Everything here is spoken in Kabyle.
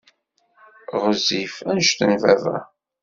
Ɣezzif anect n baba.